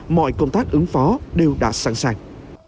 mọi công tác ứng phó đều đã sẵn sàng